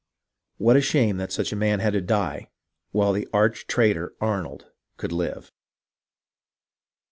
What a shame that such a man had to die while the arch traitor, Arnold, could live